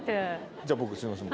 じゃあ僕すみません。